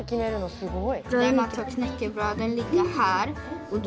すごい！